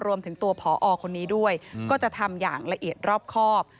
รวมถึงตัวผอคนนี้ด้วยก็จะทำอย่างละเอียดรอบครอบ